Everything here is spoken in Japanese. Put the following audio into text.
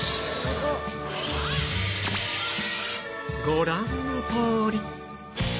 ご覧のとおり